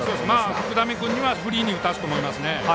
福溜君にはフリーに打たせると思います。